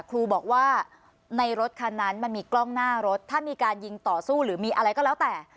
ครูบอกว่าในรถคันนั้นมันมีกล้องหน้ารถถ้ามีการยิงต่อสู้หรือมีอะไรก็แล้วแต่